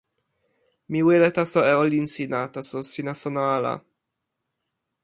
mi wile taso e olin sina, taso sina sona ala.